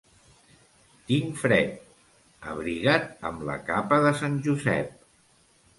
Tinc fred. —Abriga't amb la capa de sant Josep!